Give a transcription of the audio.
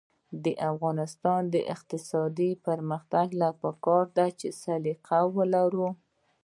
د افغانستان د اقتصادي پرمختګ لپاره پکار ده چې سلیقه ولرو.